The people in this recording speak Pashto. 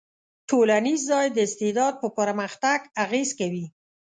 ټولنیز ځای د استعداد په پرمختګ اغېز کوي.